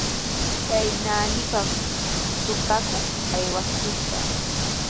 Chay naanipami suqakuq aywaskishqa.